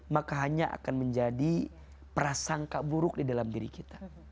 maka hanya akan menjadi prasangka buruk di dalam diri kita